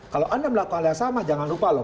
kalau anda melakukan yang sama jangan lupa loh